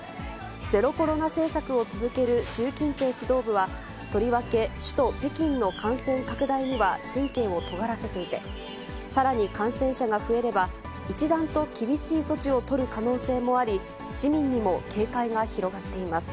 ゼロコロナ政策を続ける習近平指導部は、とりわけ首都北京の感染拡大には神経をとがらせていて、さらに感染者が増えれば、一段と厳しい措置を取る可能性もあり、市民にも警戒が広がっています。